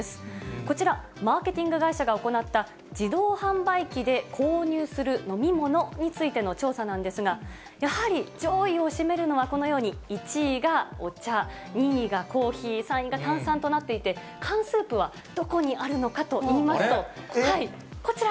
こちら、マーケティング会社が行った、自動販売機で購入する飲み物についての調査なんですが、やはり上位を占めるのは、このように１位がお茶、２位がコーヒー、３位が炭酸となっていて、缶スープはどこにあるのかといいますと、こちら。